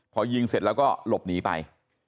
พอยิงเสร็จแล้วก็หลบหนีไป